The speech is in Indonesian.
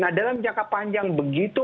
nah dalam jangka panjang begitu